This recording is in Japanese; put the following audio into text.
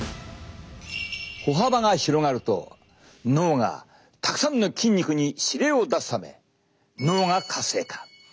歩幅が広がると脳がたくさんの筋肉に指令を出すため脳が活性化。